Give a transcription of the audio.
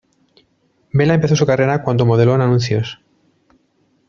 Bella empezó su carrera cuando modelo en anuncios.